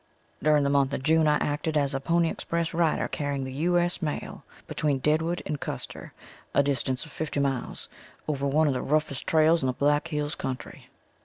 During the month of June I acted as a pony express rider carrying the U.S. mail between Deadwood and Custer, a distance of fifty miles, over one of the roughest trails in the Black Hills country.